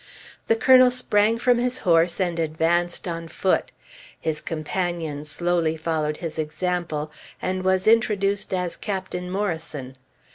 The Colonel sprang from his horse and advanced on foot; his companion slowly followed his example, and was introduced as Captain Morrison.